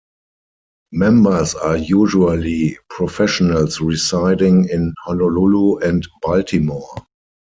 Members are usually professionals residing in Honolulu and Baltimore.